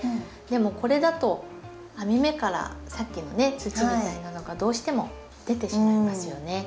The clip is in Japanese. でもこれだと網目からさっきのね土みたいなのがどうしても出てしまいますよね。